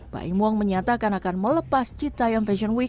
baimuang menyatakan akan melepaskan